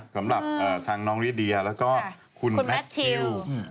สำหรับทางน้องลิเดียแล้วก็คุณแมททิว